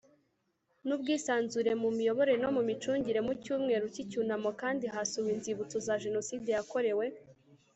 n ubwisanzure mu miyoborere no mu micungire Mu cyumweru cy icyunamo kandi hasuwe inzibutso za Jenoside yakorewe